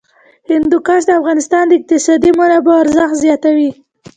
هندوکش د افغانستان د اقتصادي منابعو ارزښت زیاتوي.